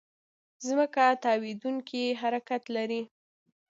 ځمکه تاوېدونکې حرکت لري.